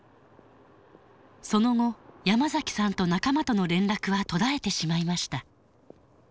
その後ヤマザキさんと仲間との連絡は途絶えてしまいました。